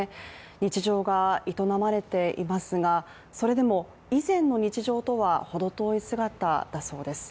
日常が営まれていますがそれでも以前の日常とはほど遠い姿だそうです。